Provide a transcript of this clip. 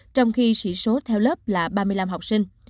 trong khi sĩ số theo lớp là ba mươi năm học sinh